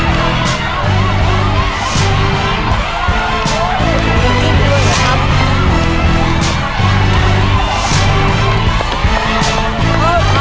ขาวขาหมู๕จานเลยครับ